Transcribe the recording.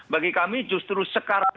bagi kami justru sekarang